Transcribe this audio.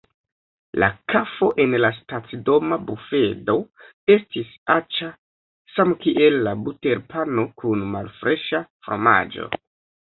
La kafo en la stacidoma bufedo estis aĉa, samkiel la buterpano kun malfreŝa fromaĝo.